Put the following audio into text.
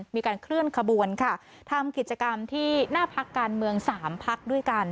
มีการเคลื่อนขบวนค่ะทำกิจกรรมที่หน้าพักการเมืองสามพักด้วยกัน